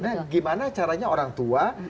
nah gimana caranya orang tua